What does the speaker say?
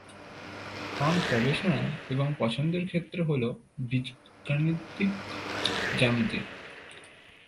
তাঁর গবেষণা এবং পছন্দের ক্ষেত্র হল বীজগাণিতিক জ্যামিতি।